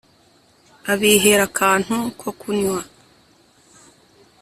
abihera akantu ko kunywa